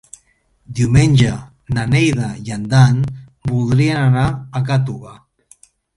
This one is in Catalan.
Diumenge na Neida i en Dan voldrien anar a Gàtova.